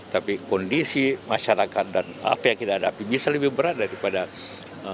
tapi kondisi masyarakat dan apa yang kita hadapi bisa lebih berat daripada sekarang